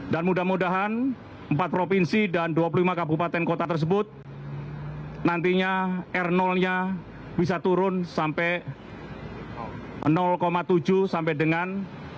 dan mudah mudahan empat provinsi dan dua puluh lima kabupaten kota tersebut nantinya r nya bisa turun sampai tujuh sampai dengan